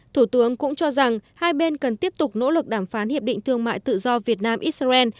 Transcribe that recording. thủ tướng cũng cho rằng hai bên cần tiếp tục nỗ lực đàm phán hiệp định thương mại tự do việt nam israel